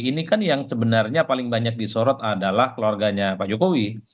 ini kan yang sebenarnya paling banyak disorot adalah keluarganya pak jokowi